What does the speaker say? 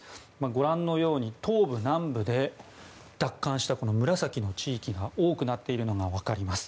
ご覧のように東部、南部で奪還した紫の地域が多くなっているのが分かります。